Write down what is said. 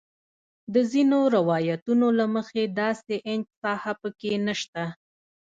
د ځینو روایتونو له مخې داسې انچ ساحه په کې نه شته.